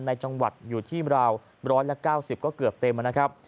ในจังหวัดอยู่ที่ราวบร้อยและเก้าสิบก็เกือบเต็มนะครับ